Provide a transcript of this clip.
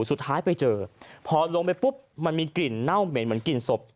สุดท้ายไปเจอพอลงไปปุ๊บมันมีกลิ่นเน่าเหม็นเหมือนกลิ่นศพ